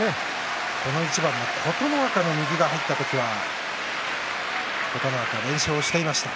琴ノ若の右が入った時には琴ノ若、連勝していました。